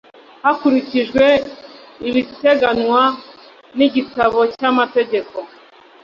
Hakurikijwe ibiteganywa n igitabo cy amategeko